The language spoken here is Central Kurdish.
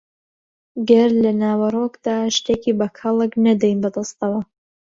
گەر لە ناوەڕۆکدا شتێکی بە کەڵک نەدەین بەدەستەوە